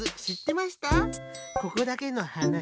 ここだけのはなし